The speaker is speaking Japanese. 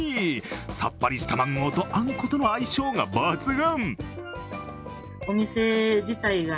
さっぱりしたマンゴーと、あんことの相性が抜群。